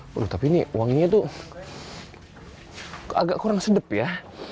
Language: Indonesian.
waduh tapi ini wanginya tuh agak kurang sedap ya